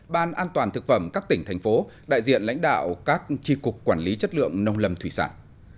ban an toàn thực phẩm các tỉnh thành phố đại diện lãnh đạo các tri cục quản lý chất lượng nông lâm thủy sản